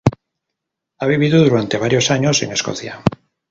Ha vivido durante varios años en Escocia.